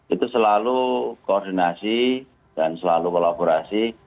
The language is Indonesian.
itu selalu koordinasi dan selalu kolaborasi